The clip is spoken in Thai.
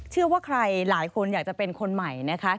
เชื่อว่าใครหลายคนอยากจะเป็นคนใหม่นะคะ